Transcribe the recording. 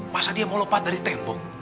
masa dia mau lepas dari tembok